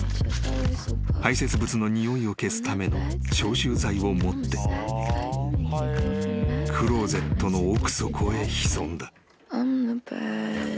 ［排せつ物のにおいを消すための消臭剤を持ってクローゼットの奥底へ潜んだ］